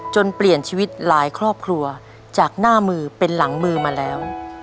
เปลี่ยนชีวิตหลายครอบครัวจากหน้ามือเป็นหลังมือมาแล้ว